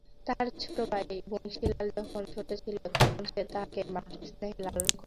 তাহার ছোটো ভাই বংশীলাল যখন ছোটো ছিল তখন সে তাহাকে মাতৃস্নেহে লালন করিয়াছে।